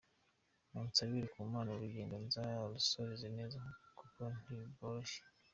Munsabire ku Mana urugendo nzarusoze neza kuko ntirworoshye.